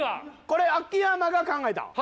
これ秋山が考えたん？